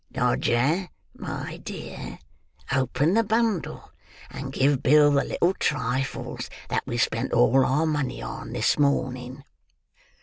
Dodger, my dear, open the bundle; and give Bill the little trifles that we spent all our money on, this morning."